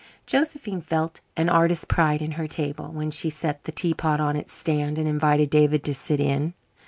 Josephine felt an artist's pride in her table when she set the teapot on its stand and invited David to sit in.